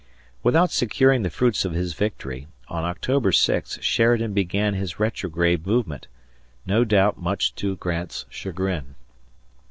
Without securing the fruits of his victory, on October 6 Sheridan began his retrograde movement, no doubt much to Grant's chagrin.